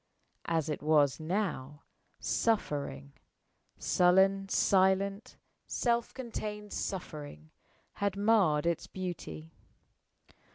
As it was now, suffering sullen, silent, self contained suffering had marred its beauty.